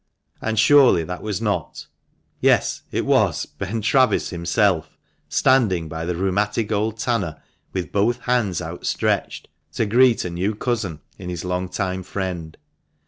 And surely that was not — yes, it was — Ben Travis himself standing by the rheumatic old tanner, with both hands outstretched, to greet a new cousin in his long time friend.